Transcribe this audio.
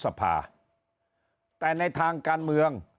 ได้ยากแสดงในทางการโดยถึง